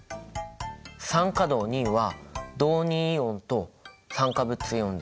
酸化銅は銅イオンと酸化物イオンだよね。